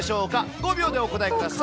５秒でお答えください。